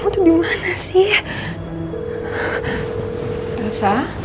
mau ketuk perang dalamaczynners